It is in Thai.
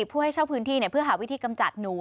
เพื่อให้เช่าพื้นที่เพื่อหาวิธีกำจัดหนู